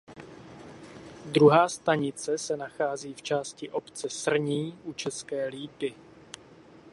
Druhá stanice se nachází v části obce Srní u České Lípy.